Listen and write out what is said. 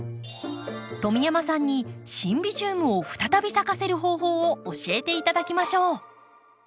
富山さんにシンビジウムを再び咲かせる方法を教えて頂きましょう。